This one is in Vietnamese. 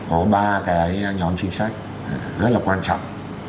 có ba cái nhóm chính sách rất là quan trọng